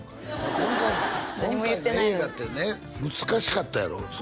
今回の今回の映画ってね難しかったやろ？